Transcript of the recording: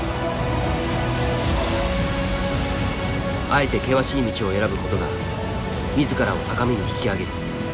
あえて険しい道を選ぶことが自らを高みに引き上げる。